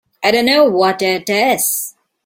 I don't know what it is.